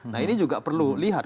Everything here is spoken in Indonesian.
nah ini juga perlu lihat